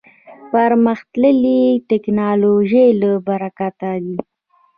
پرمختللې ټکنالوژۍ له برکته دی.